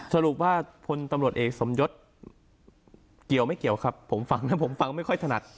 สรุปว่าพลตำรวจเอกสมยศเกี่ยวไม่เกี่ยวครับผมฟังนะผมฟังไม่ค่อยถนัด